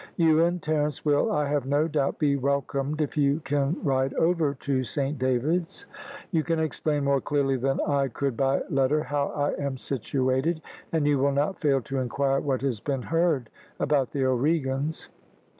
You and Terence will, I have no doubt, be welcomed if you can ride over to Saint David's. You can explain more clearly than I could by letter how I am situated, and you will not fail to inquire what has been heard about the O'Regans.